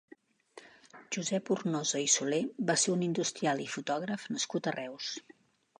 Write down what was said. Josep Ornosa i Soler va ser un industrial i fotògraf nascut a Reus.